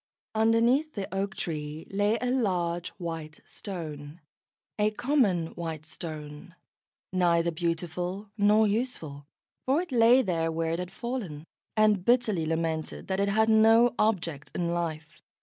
Underneath the oak tree lay a large white Stone, a common white Stone, neither beautiful nor useful, for it lay there where it had fallen, and bitterly lamented that it had no object in life.